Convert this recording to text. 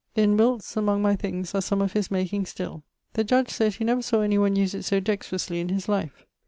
In Wilts, among my things, are some of his making still. The Judge sayd he never sawe any one use it so dextrously in his life.